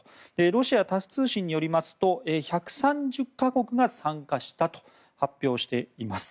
ロシア、タス通信によりますと１３０か国が参加したと発表しています。